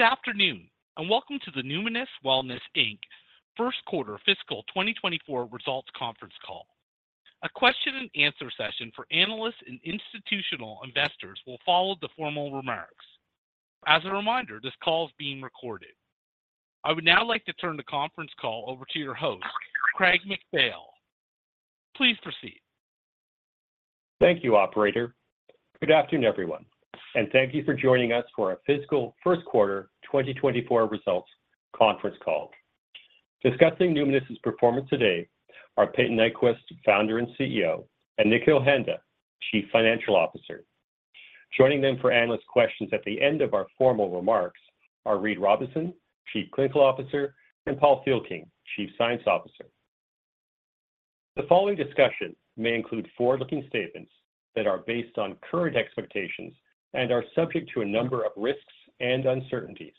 Good afternoon, and welcome to the Numinus Wellness Inc. first quarter fiscal 2024 results conference call. A question and answer session for analysts and institutional investors will follow the formal remarks. As a reminder, this call is being recorded. I would now like to turn the conference call over to your host, Craig MacPhail. Please proceed. Thank you, operator. Good afternoon, everyone, and thank you for joining us for our fiscal first quarter 2024 results conference call. Discussing Numinus's performance today are Payton Nyquvest, founder and CEO, and Nikhil Handa, Chief Financial Officer. Joining them for analyst questions at the end of our formal remarks are Reid Robison, Chief Clinical Officer, and Paul Thielking, Chief Science Officer. The following discussion may include forward-looking statements that are based on current expectations and are subject to a number of risks and uncertainties.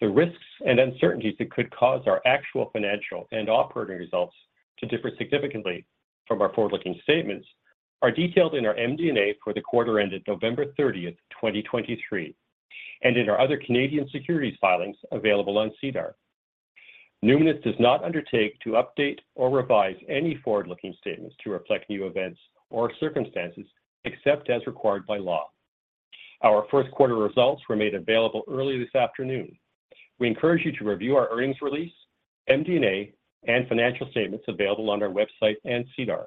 The risks and uncertainties that could cause our actual financial and operating results to differ significantly from our forward-looking statements are detailed in our MD&A for the quarter ended November 30th, 2023, and in our other Canadian securities filings available on SEDAR. Numinus does not undertake to update or revise any forward-looking statements to reflect new events or circumstances except as required by law. Our first quarter results were made available early this afternoon. We encourage you to review our earnings release, MD&A, and financial statements available on our website and SEDAR.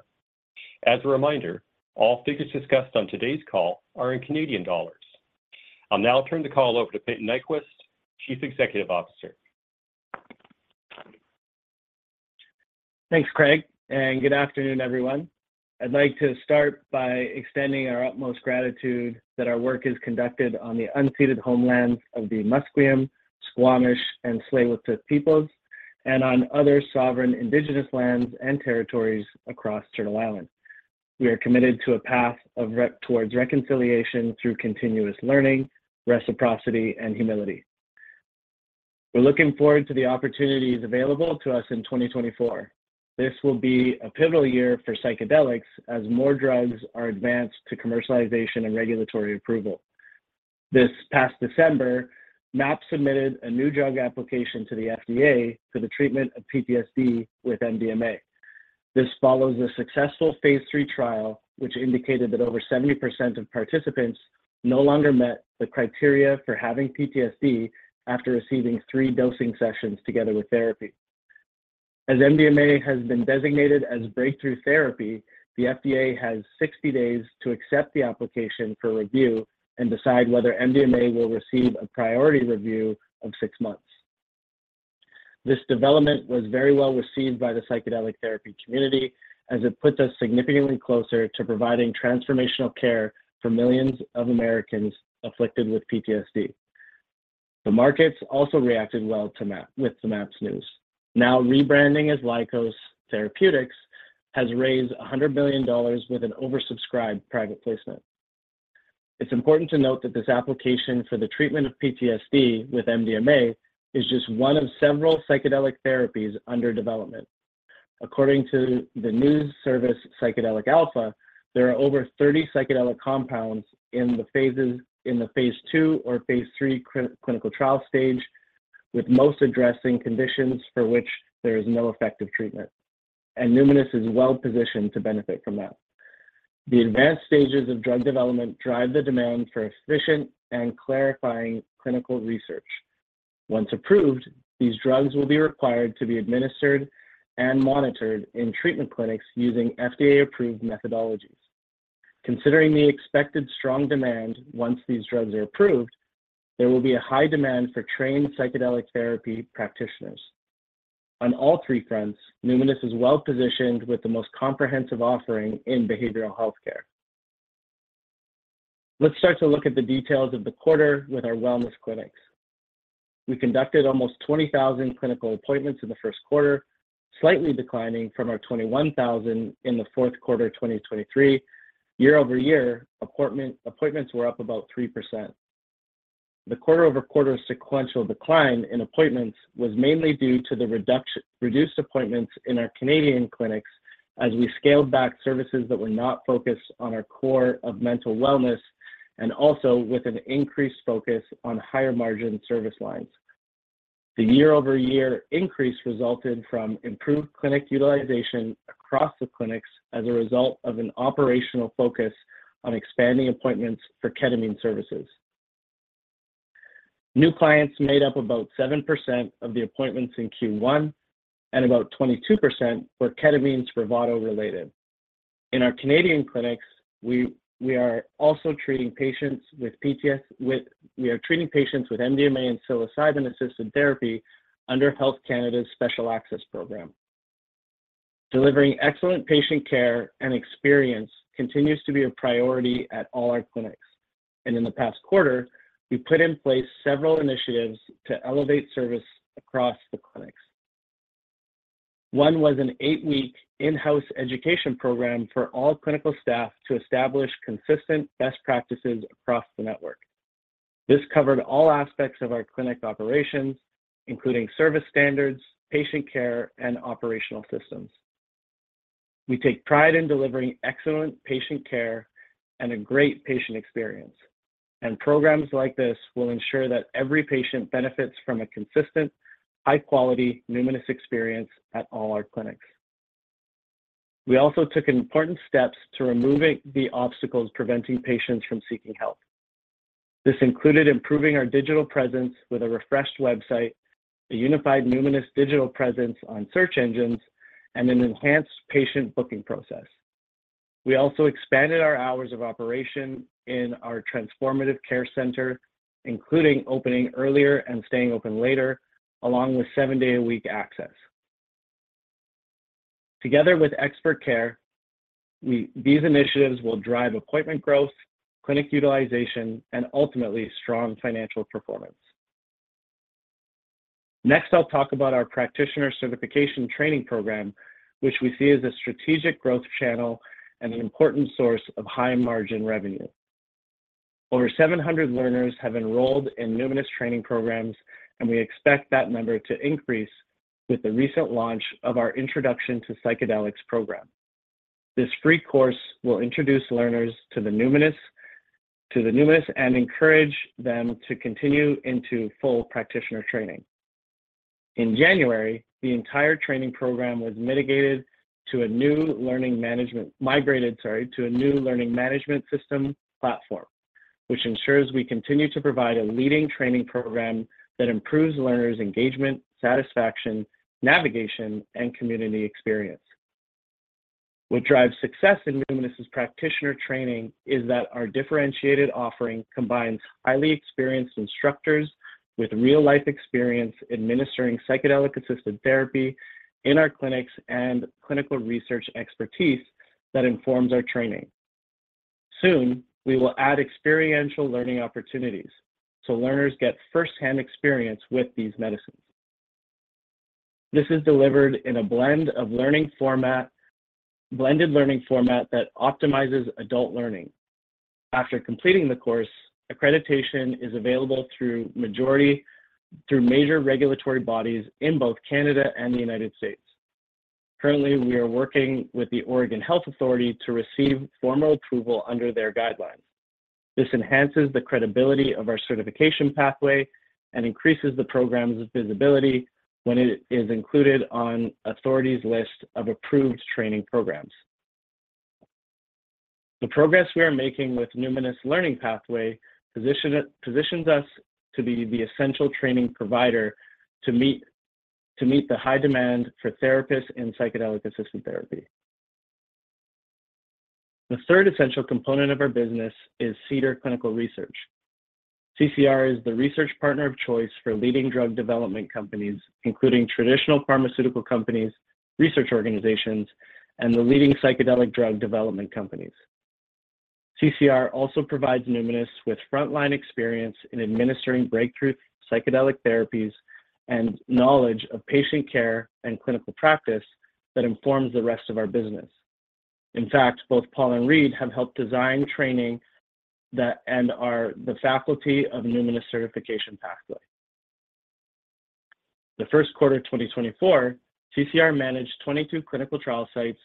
As a reminder, all figures discussed on today's call are in Canadian dollars. I'll now turn the call over to Payton Nyquvest, Chief Executive Officer. Thanks, Craig, and good afternoon, everyone. I'd like to start by extending our utmost gratitude that our work is conducted on the unceded homelands of the Musqueam, Squamish, and Tsleil-Waututh peoples, and on other sovereign Indigenous lands and territories across Turtle Island. We are committed to a path towards reconciliation through continuous learning, reciprocity, and humility. We're looking forward to the opportunities available to us in 2024. This will be a pivotal year for psychedelics as more drugs are advanced to commercialization and regulatory approval. This past December, MAPS submitted a new drug application to the FDA for the treatment of PTSD with MDMA. This follows a successful phase III trial, which indicated that over 70% of participants no longer met the criteria for having PTSD after receiving three dosing sessions together with therapy. As MDMA has been designated as breakthrough therapy, the FDA has 60 days to accept the application for review and decide whether MDMA will receive a priority review of six months. This development was very well received by the psychedelic therapy community as it puts us significantly closer to providing transformational care for millions of Americans afflicted with PTSD. The markets also reacted well to MAPS—with the MAPS news. Now, rebranding as Lykos Therapeutics has raised $100 million with an oversubscribed private placement. It's important to note that this application for the treatment of PTSD with MDMA is just one of several psychedelic therapies under development. According to the news service, Psychedelic Alpha, there are over 30 psychedelic compounds in the phases, in the phase II or phase III clinical trial stage, with most addressing conditions for which there is no effective treatment, and Numinus is well positioned to benefit from that. The advanced stages of drug development drive the demand for efficient and clarifying clinical research. Once approved, these drugs will be required to be administered and monitored in treatment clinics using FDA-approved methodologies. Considering the expected strong demand once these drugs are approved, there will be a high demand for trained psychedelic therapy practitioners. On all three fronts, Numinus is well positioned with the most comprehensive offering in behavioral health care. Let's start to look at the details of the quarter with our wellness clinics. We conducted almost 20,000 clinical appointments in the first quarter, slightly declining from our 21,000 in the fourth quarter of 2023. Year-over-year, appointment, appointments were up about 3%. The quarter-over-quarter sequential decline in appointments was mainly due to the reduction, reduced appointments in our Canadian clinics as we scaled back services that were not focused on our core of mental wellness, and also with an increased focus on higher margin service lines. The year-over-year increase resulted from improved clinic utilization across the clinics as a result of an operational focus on expanding appointments for ketamine services. New clients made up about 7% of the appointments in Q1, and about 22% were ketamine, Spravato-related. In our Canadian clinics, we are also treating patients with PTSD with MDMA and psilocybin-assisted therapy under Health Canada's Special Access Program. Delivering excellent patient care and experience continues to be a priority at all our clinics, and in the past quarter, we put in place several initiatives to elevate service across the clinics. One was an eight-week in-house education program for all clinical staff to establish consistent best practices across the network. This covered all aspects of our clinic operations, including service standards, patient care, and operational systems. We take pride in delivering excellent patient care and a great patient experience, and programs like this will ensure that every patient benefits from a consistent, high-quality Numinus experience at all our clinics. We also took important steps to removing the obstacles preventing patients from seeking help. This included improving our digital presence with a refreshed website, a unified Numinus digital presence on search engines, and an enhanced patient booking process. We also expanded our hours of operation in our Transformative Care Center, including opening earlier and staying open later, along with seven-day-a-week access. Together with expert care, these initiatives will drive appointment growth, clinic utilization, and ultimately, strong financial performance. Next, I'll talk about our practitioner certification training program, which we see as a strategic growth channel and an important source of high-margin revenue. Over 700 learners have enrolled in Numinus training programs, and we expect that number to increase with the recent launch of our Introduction to Psychedelics program. This free course will introduce learners to the Numinus and encourage them to continue into full practitioner training. In January, the entire training program was migrated to a new learning management system platform, which ensures we continue to provide a leading training program that improves learners' engagement, satisfaction, navigation, and community experience. What drives success in Numinus' practitioner training is that our differentiated offering combines highly experienced instructors with real-life experience administering psychedelic-assisted therapy in our clinics and clinical research expertise that informs our training. Soon, we will add experiential learning opportunities, so learners get firsthand experience with these medicines. This is delivered in a blended learning format that optimizes adult learning. After completing the course, accreditation is available through major regulatory bodies in both Canada and the United States. Currently, we are working with the Oregon Health Authority to receive formal approval under their guidelines. This enhances the credibility of our certification pathway and increases the program's visibility when it is included on authority's list of approved training programs. The progress we are making with Numinus Learning Pathway positions us to be the essential training provider to meet the high demand for therapists in psychedelic-assisted therapy. The third essential component of our business is Cedar Clinical Research. CCR is the research partner of choice for leading drug development companies, including traditional pharmaceutical companies, research organizations, and the leading psychedelic drug development companies. CCR also provides Numinus with frontline experience in administering breakthrough psychedelic therapies and knowledge of patient care and clinical practice that informs the rest of our business. In fact, both Paul and Reid have helped design training and are the faculty of Numinus Certification Pathway. The first quarter of 2024, CCR managed 22 clinical trial sites,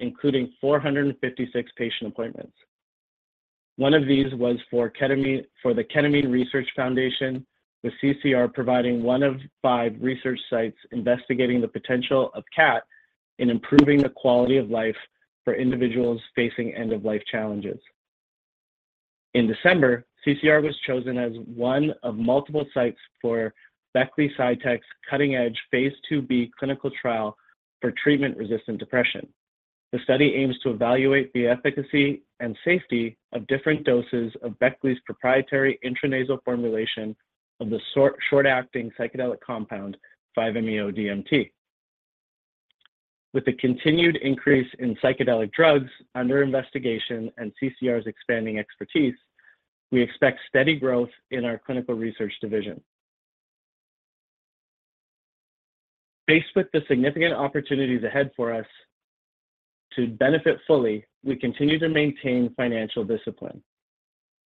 including 456 patient appointments. One of these was for the Ketamine Research Foundation, with CCR providing one of five research sites investigating the potential of KAP in improving the quality of life for individuals facing end-of-life challenges. In December, CCR was chosen as one of multiple sites for Beckley Psytech's cutting-edge phase II-B clinical trial for treatment-resistant depression. The study aims to evaluate the efficacy and safety of different doses of Beckley's proprietary intranasal formulation of the short-acting psychedelic compound, 5-MeO-DMT. With the continued increase in psychedelic drugs under investigation and CCR's expanding expertise, we expect steady growth in our clinical research division. Faced with the significant opportunities ahead for us, to benefit fully, we continue to maintain financial discipline.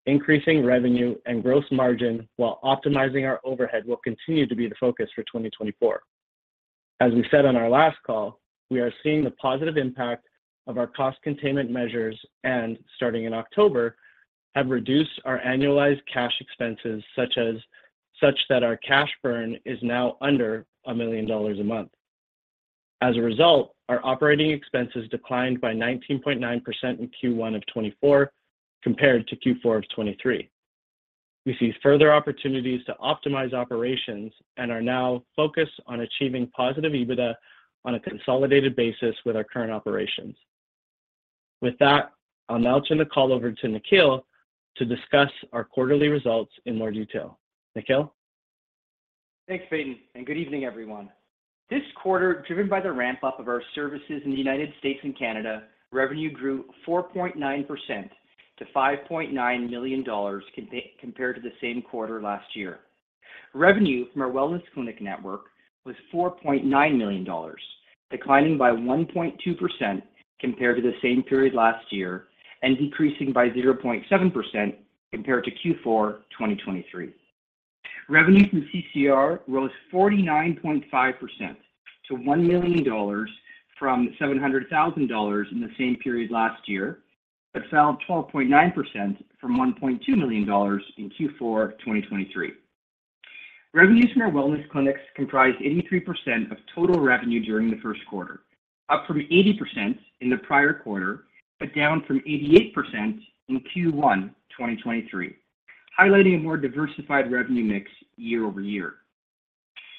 Increasing revenue and gross margin while optimizing our overhead will continue to be the focus for 2024. As we said on our last call, we are seeing the positive impact of our cost containment measures and, starting in October, have reduced our annualized cash expenses such that our cash burn is now under 1 million dollars a month. As a result, our operating expenses declined by 19.9% in Q1 of 2024, compared to Q4 of 2023. We see further opportunities to optimize operations and are now focused on achieving positive EBITDA on a consolidated basis with our current operations. With that, I'll now turn the call over to Nikhil to discuss our quarterly results in more detail. Nikhil? Thanks, Payton, and good evening, everyone. This quarter, driven by the ramp-up of our services in the United States and Canada, revenue grew 4.9% to 5.9 million dollars compared to the same quarter last year. Revenue from our wellness clinic network was 4.9 million dollars, declining by 1.2% compared to the same period last year and decreasing by 0.7% compared to Q4 2023.... Revenue from CCR rose 49.5% to 1 million dollars from 700,000 dollars in the same period last year, but fell 12.9% from 1.2 million dollars in Q4 2023. Revenue from our wellness clinics comprised 83% of total revenue during the first quarter, up from 80% in the prior quarter, but down from 88% in Q1 2023, highlighting a more diversified revenue mix year over year.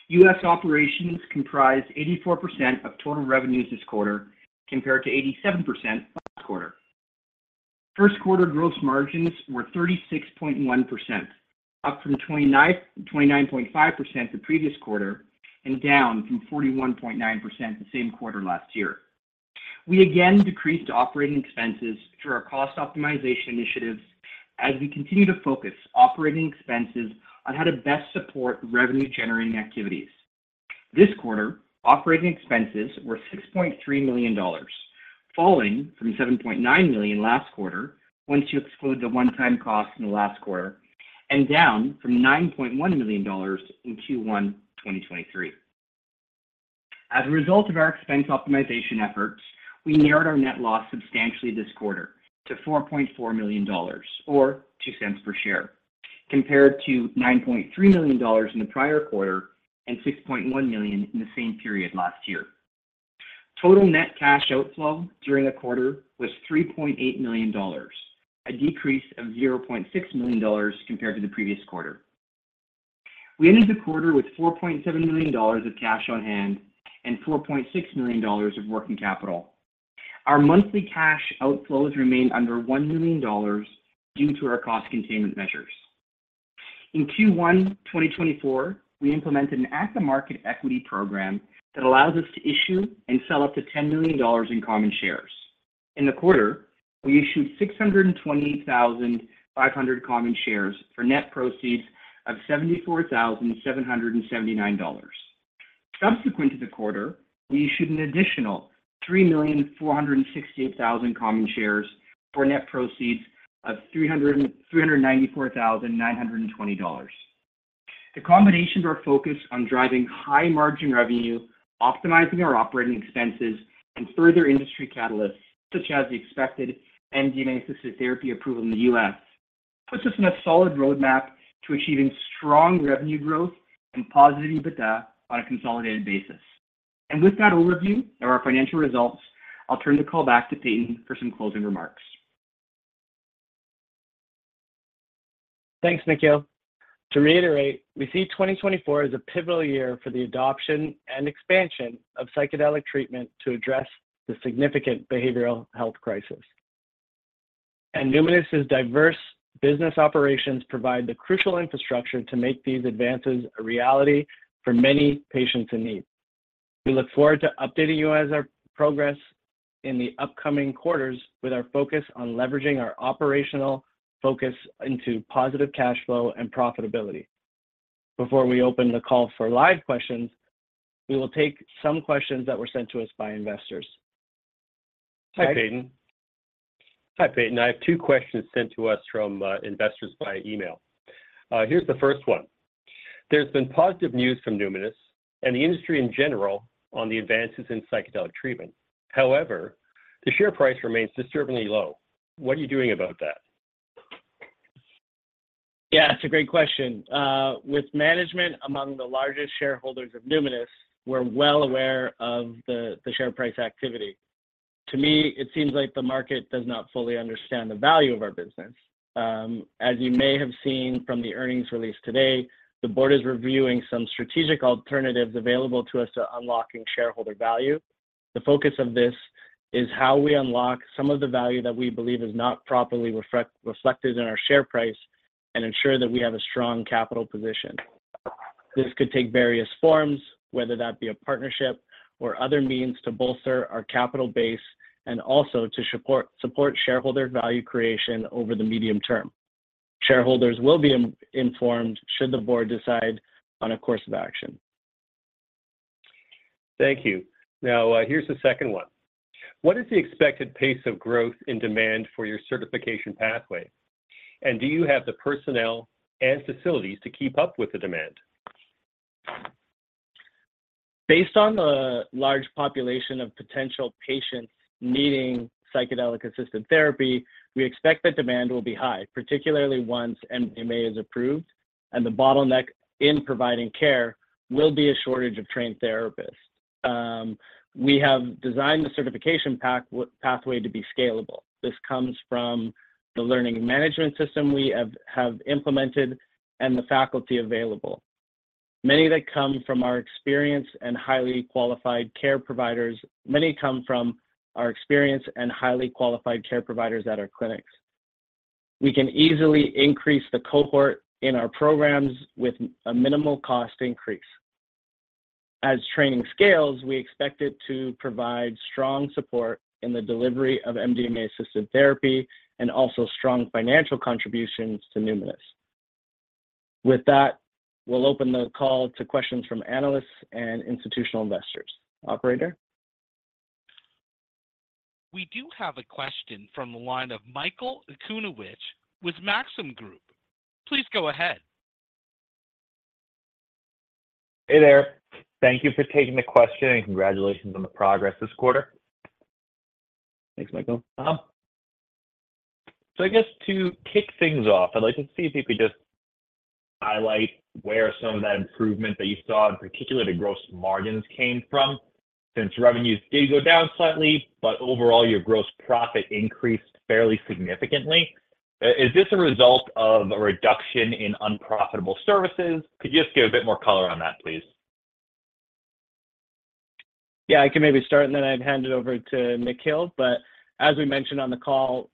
U.S. operations comprised 84% of total revenues this quarter, compared to 87% last quarter. First quarter gross margins were 36.1%, up from 29, 29.5% the previous quarter, and down from 41.9% the same quarter last year. We again decreased operating expenses through our cost optimization initiatives as we continue to focus operating expenses on how to best support revenue-generating activities. This quarter, operating expenses were 6.3 million dollars, falling from 7.9 million last quarter, once you exclude the one-time costs in the last quarter, and down from 9.1 million dollars in Q1 2023. As a result of our expense optimization efforts, we narrowed our net loss substantially this quarter to 4.4 million dollars, or 0.02 per share, compared to 9.3 million dollars in the prior quarter and 6.1 million in the same period last year. Total net cash outflow during the quarter was 3.8 million dollars, a decrease of 0.6 million dollars compared to the previous quarter. We ended the quarter with 4.7 million dollars of cash on hand and 4.6 million dollars of working capital. Our monthly cash outflows remained under 1 million dollars due to our cost containment measures. In Q1 2024, we implemented an at-the-market equity program that allows us to issue and sell up to 10 million dollars in common shares. In the quarter, we issued 620,500 common shares for net proceeds of 74,779 dollars. Subsequent to the quarter, we issued an additional 3,468,000 common shares for net proceeds of 394,920 dollars. The combination of our focus on driving high-margin revenue, optimizing our operating expenses, and further industry catalysts, such as the expected MDMA-assisted therapy approval in the U.S., puts us in a solid roadmap to achieving strong revenue growth and positive EBITDA on a consolidated basis. With that overview of our financial results, I'll turn the call back to Payton for some closing remarks. Thanks, Nikhil. To reiterate, we see 2024 as a pivotal year for the adoption and expansion of psychedelic treatment to address the significant behavioral health crisis. Numinus's diverse business operations provide the crucial infrastructure to make these advances a reality for many patients in need. We look forward to updating you on our progress in the upcoming quarters, with our focus on leveraging our operational focus into positive cash flow and profitability. Before we open the call for live questions, we will take some questions that were sent to us by investors. Hi, Payton. Hi, Payton. I have two questions sent to us from investors via email. Here's the first one: There's been positive news from Numinus and the industry in general on the advances in psychedelic treatment. However, the share price remains disturbingly low. What are you doing about that? Yeah, it's a great question. With management among the largest shareholders of Numinus, we're well aware of the share price activity. To me, it seems like the market does not fully understand the value of our business. As you may have seen from the earnings release today, the board is reviewing some strategic alternatives available to us to unlocking shareholder value. The focus of this is how we unlock some of the value that we believe is not properly reflected in our share price and ensure that we have a strong capital position. This could take various forms, whether that be a partnership or other means, to bolster our capital base and also to support shareholder value creation over the medium term. Shareholders will be informed, should the board decide on a course of action. Thank you. Now, here's the second one: What is the expected pace of growth and demand for your certification pathway? And do you have the personnel and facilities to keep up with the demand? Based on the large population of potential patients needing psychedelic-assisted therapy, we expect that demand will be high, particularly once MDMA is approved, and the bottleneck in providing care will be a shortage of trained therapists. We have designed the certification pathway to be scalable. This comes from the learning management system we have implemented and the faculty available. Many that come from our experienced and highly qualified care providers-- many come from our experienced and highly qualified care providers at our clinics. We can easily increase the cohort in our programs with a minimal cost increase. As training scales, we expect it to provide strong support in the delivery of MDMA-assisted therapy and also strong financial contributions to Numinus. With that, we'll open the call to questions from analysts and institutional investors. Operator? ... We do have a question from the line of Michael Okunewitch with Maxim Group. Please go ahead. Hey there. Thank you for taking the question, and congratulations on the progress this quarter. Thanks, Michael. So I guess to kick things off, I'd like to see if you could just highlight where some of that improvement that you saw, in particular, the gross margins came from, since revenues did go down slightly, but overall, your gross profit increased fairly significantly. Is this a result of a reduction in unprofitable services? Could you just give a bit more color on that, please? Yeah, I can maybe start, and then I'd hand it over to Nikhil. But as we mentioned on the call,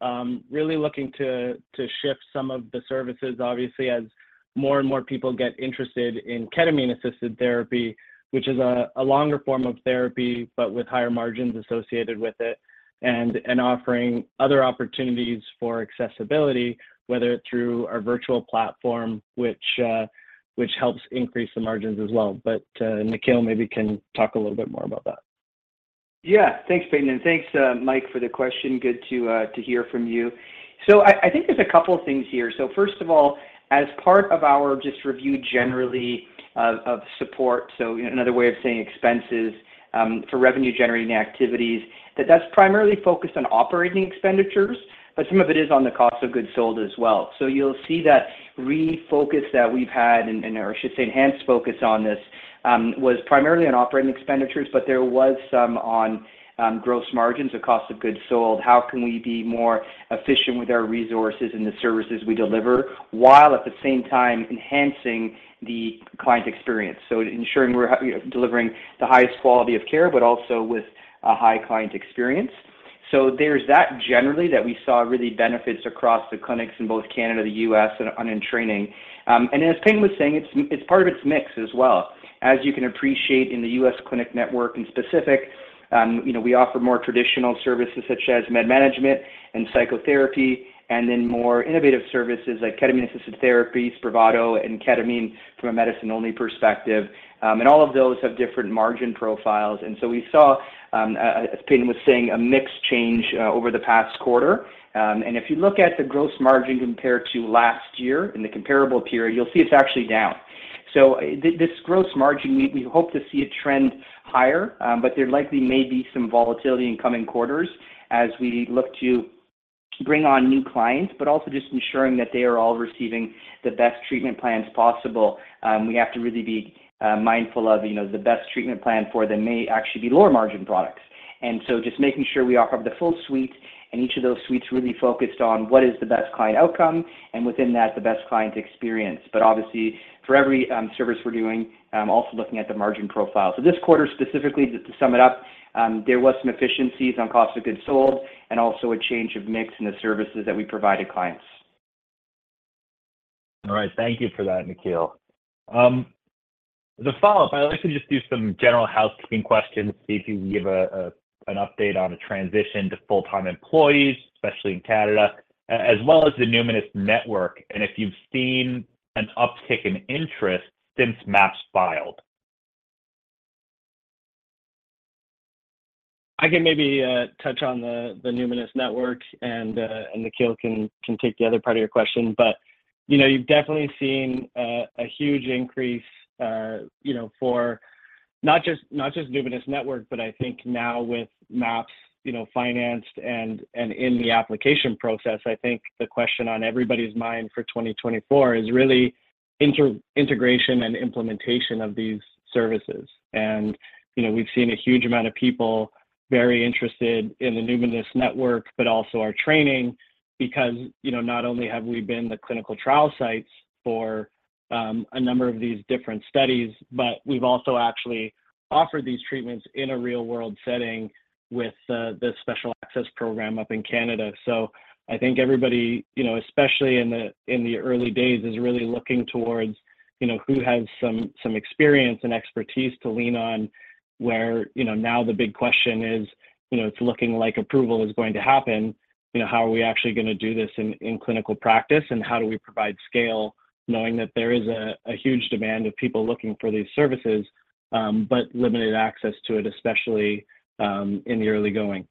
really looking to shift some of the services, obviously, as more and more people get interested in ketamine-assisted therapy, which is a longer form of therapy, but with higher margins associated with it, and offering other opportunities for accessibility, whether through our virtual platform, which helps increase the margins as well. But, Nikhil maybe can talk a little bit more about that. Yeah, thanks, Payton, and thanks, Mike, for the question. Good to hear from you. So I think there's a couple of things here. So first of all, as part of our just review generally of support, so another way of saying expenses for revenue-generating activities, that's primarily focused on operating expenditures, but some of it is on the cost of goods sold as well. So you'll see that refocus that we've had, and or I should say, enhanced focus on this was primarily on operating expenditures, but there was some on gross margins, the cost of goods sold. How can we be more efficient with our resources and the services we deliver, while at the same time enhancing the client experience? So ensuring we're delivering the highest quality of care, but also with a high client experience. So there's that generally, that we saw really benefits across the clinics in both Canada, the U.S., and online in training. And as Payton was saying, it's part of its mix as well. As you can appreciate in the U.S. clinic network in specific, you know, we offer more traditional services such as med management and psychotherapy, and then more innovative services like ketamine-assisted therapy, Spravato, and ketamine from a medicine-only perspective. And all of those have different margin profiles, and so we saw, as Payton was saying, a mix change over the past quarter. And if you look at the gross margin compared to last year in the comparable period, you'll see it's actually down. So this gross margin, we hope to see a trend higher, but there likely may be some volatility in coming quarters as we look to bring on new clients, but also just ensuring that they are all receiving the best treatment plans possible. We have to really be mindful of, you know, the best treatment plan for them may actually be lower-margin products. And so just making sure we offer the full suite, and each of those suites really focused on what is the best client outcome, and within that, the best client experience. But obviously, for every service we're doing, also looking at the margin profile. So this quarter, specifically, just to sum it up, there was some efficiencies on cost of goods sold and also a change of mix in the services that we provide to clients. All right. Thank you for that, Nikhil. The follow-up, I'd like to just do some general housekeeping questions, see if you can give an update on the transition to full-time employees, especially in Canada, as well as the Numinus Network, and if you've seen an uptick in interest since MAPS filed. I can maybe touch on the Numinus Network, and Nikhil can take the other part of your question. But, you know, you've definitely seen a huge increase, you know, for not just Numinus Network, but I think now with MAPS, you know, financed and in the application process, I think the question on everybody's mind for 2024 is really integration and implementation of these services. And, you know, we've seen a huge amount of people very interested in the Numinus Network, but also our training, because, you know, not only have we been the clinical trial sites for a number of these different studies, but we've also actually offered these treatments in a real-world setting with the Special Access Program up in Canada. So I think everybody, you know, especially in the early days, is really looking towards, you know, who has some experience and expertise to lean on, where, you know, now the big question is, you know, it's looking like approval is going to happen. You know, how are we actually gonna do this in clinical practice, and how do we provide scale, knowing that there is a huge demand of people looking for these services, but limited access to it, especially in the early going.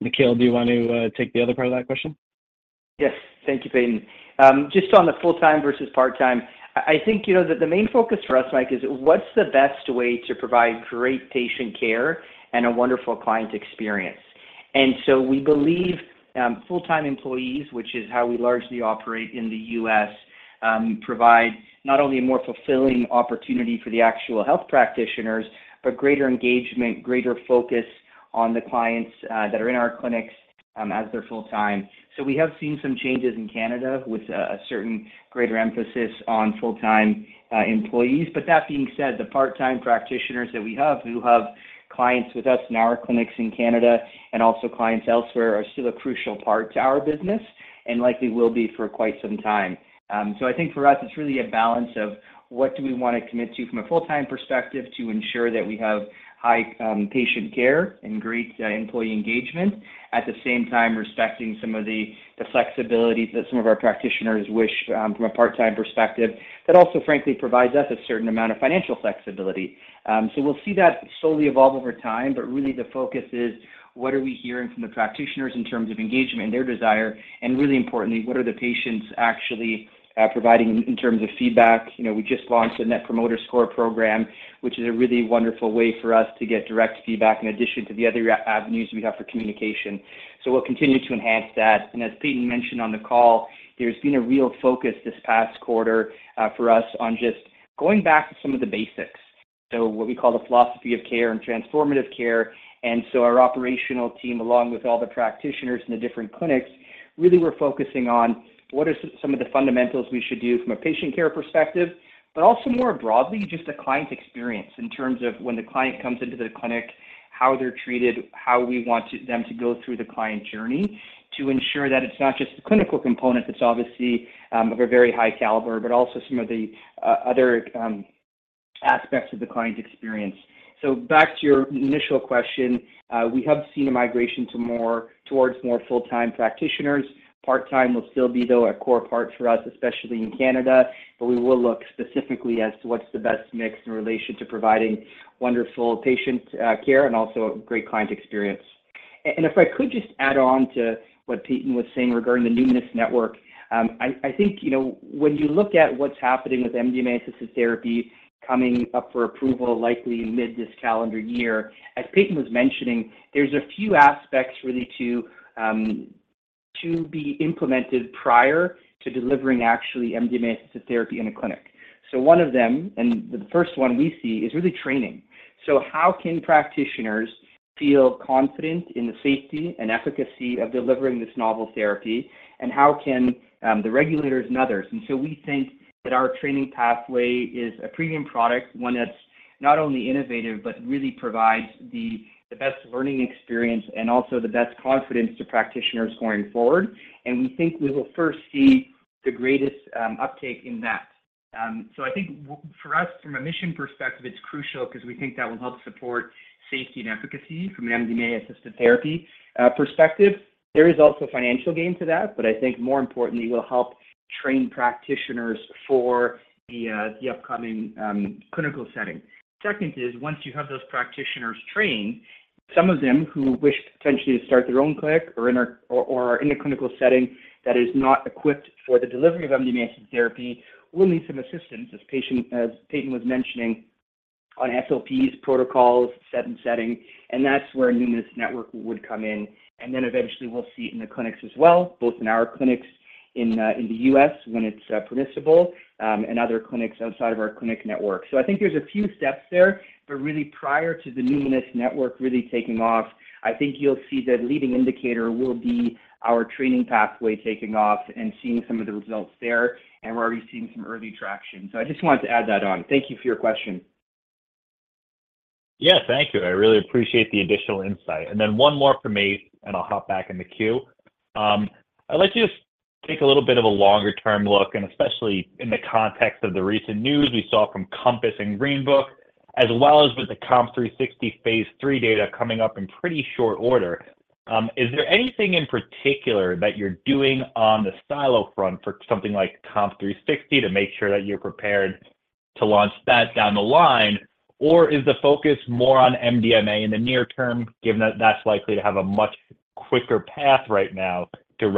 Nikhil, do you want to take the other part of that question? Yes. Thank you, Payton. Just on the full-time versus part-time, I think, you know, that the main focus for us, Mike, is what's the best way to provide great patient care and a wonderful client experience? And so we believe, full-time employees, which is how we largely operate in the U.S., provide not only a more fulfilling opportunity for the actual health practitioners, but greater engagement, greater focus on the clients that are in our clinics as they're full-time. So we have seen some changes in Canada with a certain greater emphasis on full-time employees. But that being said, the part-time practitioners that we have, who have clients with us in our clinics in Canada and also clients elsewhere, are still a crucial part to our business and likely will be for quite some time. So I think for us, it's really a balance of what do we want to commit to from a full-time perspective to ensure that we have high patient care and great employee engagement. At the same time, respecting some of the flexibility that some of our practitioners wish from a part-time perspective, that also frankly provides us a certain amount of financial flexibility. So we'll see that slowly evolve over time, but really the focus is: what are we hearing from the practitioners in terms of engagement and their desire? And really importantly, what are the patients actually providing in terms of feedback? You know, we just launched a net promoter score program, which is a really wonderful way for us to get direct feedback in addition to the other avenues we have for communication. So we'll continue to enhance that. And as Payton mentioned on the call, there's been a real focus this past quarter for us on just going back to some of the basics. So what we call the philosophy of care and transformative care. And so our operational team, along with all the practitioners in the different clinics, really were focusing on what are some of the fundamentals we should do from a patient care perspective, but also more broadly, just the client experience in terms of when the client comes into the clinic, how they're treated, how we want them to go through the client journey, to ensure that it's not just the clinical component that's obviously of a very high caliber, but also some of the other aspects of the client experience. So back to your initial question, we have seen a migration towards more full-time practitioners. Part-time will still be, though, a core part for us, especially in Canada, but we will look specifically as to what's the best mix in relation to providing wonderful patient care and also a great client experience. And if I could just add on to what Payton was saying regarding the Numinus Network, I think, you know, when you look at what's happening with MDMA-assisted therapy coming up for approval, likely mid this calendar year, as Payton was mentioning, there's a few aspects really to be implemented prior to delivering actually MDMA-assisted therapy in a clinic. So one of them, and the first one we see, is really training. So how can practitioners feel confident in the safety and efficacy of delivering this novel therapy, and how can the regulators and others? And so we think that our training pathway is a premium product, one that's not only innovative, but really provides the best learning experience and also the best confidence to practitioners going forward. And we think we will first see the greatest uptake in that. So I think for us, from a mission perspective, it's crucial because we think that will help support safety and efficacy from an MDMA-assisted therapy perspective. There is also financial gain to that, but I think more importantly, it will help train practitioners for the upcoming clinical setting. Second is, once you have those practitioners trained, some of them who wish potentially to start their own clinic or are in a clinical setting that is not equipped for the delivery of MDMA-assisted therapy, will need some assistance, as Payton was mentioning, on SOPs, protocols, set and setting, and that's where Numinus Network would come in. And then eventually we'll see it in the clinics as well, both in our clinics in the U.S., when it's permissible, and other clinics outside of our clinic network. So I think there's a few steps there, but really prior to the Numinus Network really taking off, I think you'll see the leading indicator will be our training pathway taking off and seeing some of the results there, and we're already seeing some early traction. So I just wanted to add that on. Thank you for your question. Yeah, thank you. I really appreciate the additional insight. And then one more from me, and I'll hop back in the queue. I'd like to just take a little bit of a longer-term look, and especially in the context of the recent news we saw from Compass and Greenbrook, as well as with the COMP360 phase III data coming up in pretty short order. Is there anything in particular that you're doing on the psilo front for something like COMP360 to make sure that you're prepared to launch that down the line? Or is the focus more on MDMA in the near term, given that that's likely to have a much quicker path right now to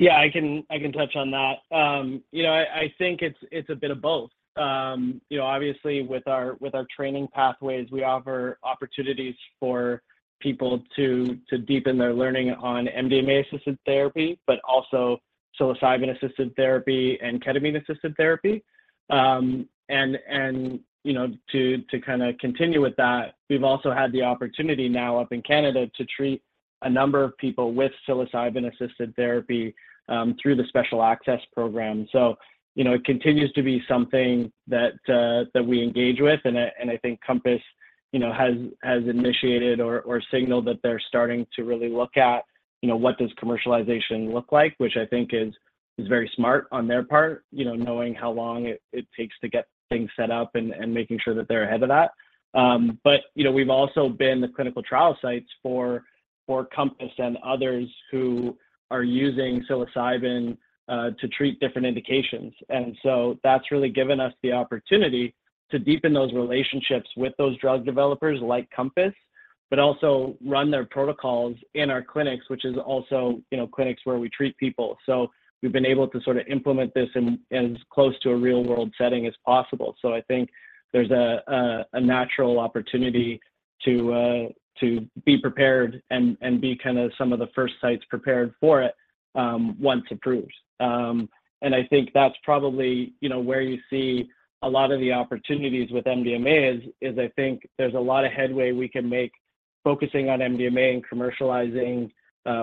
revenue generation? Yeah, I can touch on that. You know, I think it's a bit of both. You know, obviously, with our training pathways, we offer opportunities for people to deepen their learning on MDMA-assisted therapy, but also psilocybin-assisted therapy and ketamine-assisted therapy. And you know, to kind of continue with that, we've also had the opportunity now up in Canada to treat a number of people with psilocybin-assisted therapy through the Special Access Program. So, you know, it continues to be something that, that we engage with, and I, and I think Compass, you know, has, has initiated or, or signaled that they're starting to really look at, you know, what does commercialization look like, which I think is, is very smart on their part, you know, knowing how long it, it takes to get things set up and, and making sure that they're ahead of that. But, you know, we've also been the clinical trial sites for, for Compass and others who are using psilocybin to treat different indications. And so that's really given us the opportunity to deepen those relationships with those drug developers, like Compass, but also run their protocols in our clinics, which is also, you know, clinics where we treat people. So we've been able to sort of implement this in as close to a real-world setting as possible. So I think there's a natural opportunity to be prepared and be kind of some of the first sites prepared for it once approved. And I think that's probably, you know, where you see a lot of the opportunities with MDMA is. I think there's a lot of headway we can make focusing on MDMA and commercializing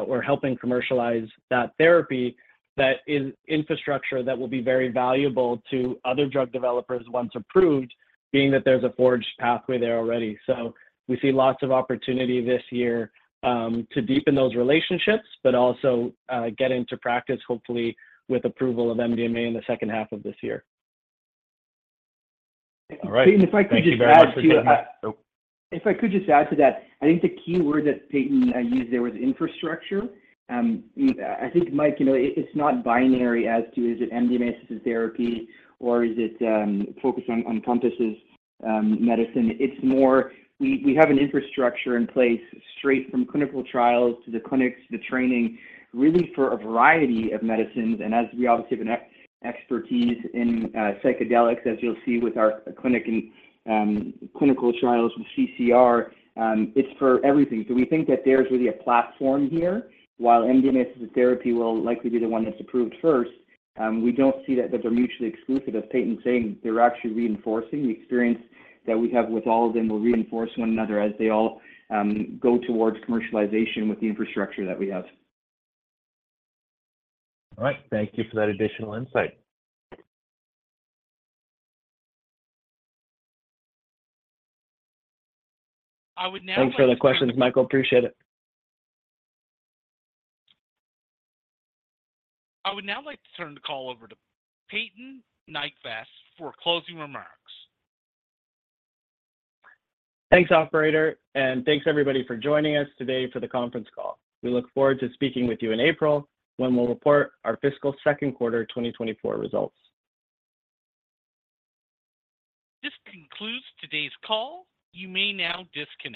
or helping commercialize that therapy, that is infrastructure that will be very valuable to other drug developers once approved, being that there's a forged pathway there already. So we see lots of opportunity this year to deepen those relationships, but also get into practice, hopefully with approval of MDMA in the second half of this year. All right. Thank you very much for that. If I could just add to that, I think the key word that Payton used there was infrastructure. I think, Mike, you know, it, it's not binary as to is it MDMA-assisted therapy, or is it focused on Compass's medicine? It's more, we have an infrastructure in place, straight from clinical trials to the clinics, to the training, really for a variety of medicines. And as we obviously have an expertise in psychedelics, as you'll see with our clinic and clinical trials with CCR, it's for everything. So we think that there's really a platform here. While MDMA-assisted therapy will likely be the one that's approved first, we don't see that they're mutually exclusive, as Payton's saying. They're actually reinforcing. The experience that we have with all of them will reinforce one another as they all go towards commercialization with the infrastructure that we have. All right. Thank you for that additional insight. I would now like to- Thanks for the questions, Michael. Appreciate it. I would now like to turn the call over to Payton Nyquvest for closing remarks. Thanks, operator, and thanks everybody for joining us today for the conference call. We look forward to speaking with you in April, when we'll report our fiscal second quarter 2024 results. This concludes today's call. You may now disconnect.